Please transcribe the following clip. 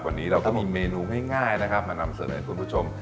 วันนี้เราก็มีเมนูง่ายนะครับมานำเสนอให้คุณผู้ชม